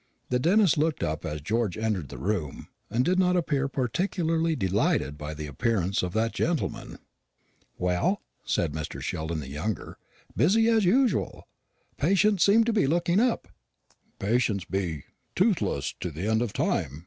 The dentist looked up as George entered the room, and did not appear particularly delighted by the appearance of that gentleman. "Well," said Mr. Sheldon the younger, "busy as usual? Patients seem to be looking up." "Patients be toothless to the end of time!"